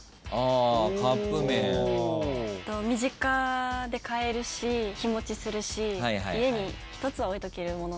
身近で買えるし日持ちするし家に一つは置いとけるものだから。